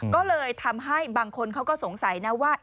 ก็เลยทำให้บางคนเขาก็สงสัยนะว่า